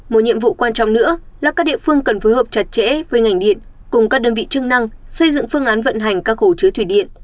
một nhiệm vụ quan trọng nữa là các địa phương cần phối hợp chặt chẽ với ngành điện cùng các đơn vị chức năng xây dựng phương án vận hành các hồ chứa thủy điện